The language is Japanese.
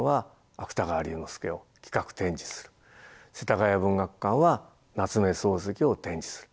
世田谷文学館は夏目漱石を展示する。